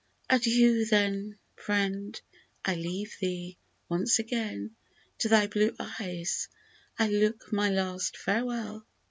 Adieu, then, Friend I I leave thee, once again To thy blue eyes I look my last farewell